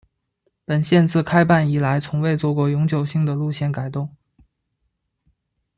本线自开办以来从未做过永久性的路线改动。